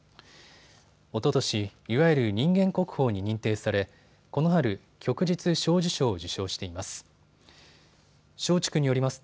おととし、いわゆる人間国宝に認定されこの春、旭日小綬章を受章しています。